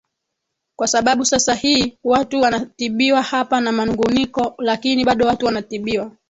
kwa sababu sasa hii watu wanatibiwa hapa na manunguniko lakini bado watu wanatibiwa